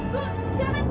bu bu jangan bu